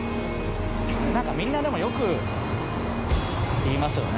みんなでも、よく言いますよね。